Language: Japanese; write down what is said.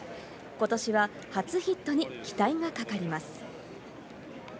今年は初ヒットに期待がかかります。